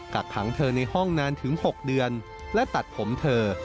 กักขังเธอในห้องนานถึง๖เดือนและตัดผมเธอ